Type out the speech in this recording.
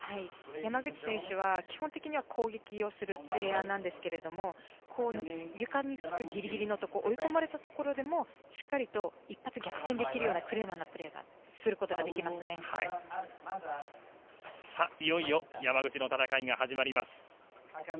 山口選手は基本的には攻撃するプレーヤーなんですが床につくギリギリのところ追い込まれたところでもしっかりと一発逆転できるようなクレバーなプレーをすることができますね。